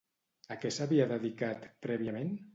A què s'havia dedicat prèviament?